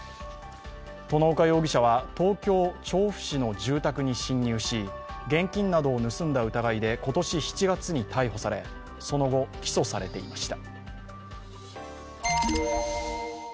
外岡容疑者は東京・調布市の住宅に侵入し現金などを盗んだ疑いで今年７月に逮捕され、その後、起訴されていました。